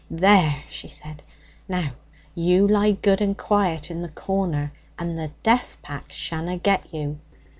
'There!' she said. 'Now you lie good and quiet in the corner, and the death pack shanna get you.'